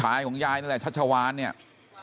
ไปรับศพของเนมมาตั้งบำเพ็ญกุศลที่วัดสิงคูยางอเภอโคกสำโรงนะครับ